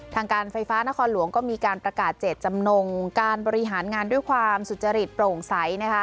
ทางการไฟฟ้านครหลวงก็มีการประกาศเจตจำนงการบริหารงานด้วยความสุจริตโปร่งใสนะคะ